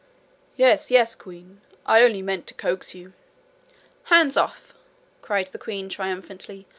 'Yes, yes, queen. I only meant to coax you.' 'Hands off!' cried the queen triumphantly.